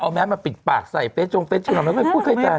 เอาแมสมาปิดปากใส่เป๊ะจงเป๊ะจงทำไมไม่ค่อยพูดค่อยจากเนี่ย